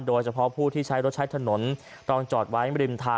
โดยเฉพาะผู้ที่ใช้รถทรายทะนนต้องจอดแว้นไปริมทาง